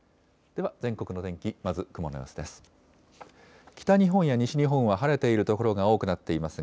では全国の天気、まず雲の様子です。